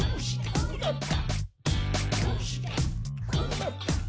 こうなった？